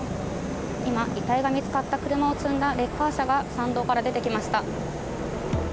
今、遺体が見つかった車を積んだレッカー車が山道から出てきました。